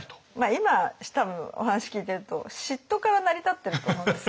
今多分お話聞いてると嫉妬から成り立ってると思うんですよ。